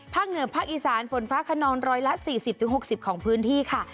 เหนือภาคอีสานฝนฟ้าขนองร้อยละ๔๐๖๐ของพื้นที่ค่ะ